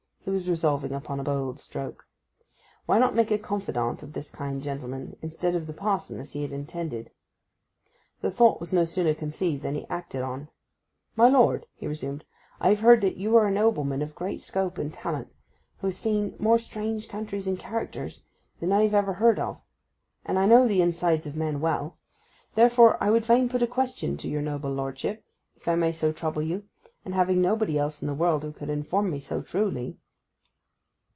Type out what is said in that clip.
He was resolving upon a bold stroke. Why not make a confidant of this kind gentleman, instead of the parson, as he had intended? The thought was no sooner conceived than acted on. 'My lord,' he resumed, 'I have heard that you are a nobleman of great scope and talent, who has seen more strange countries and characters than I have ever heard of, and know the insides of men well. Therefore I would fain put a question to your noble lordship, if I may so trouble you, and having nobody else in the world who could inform me so trewly.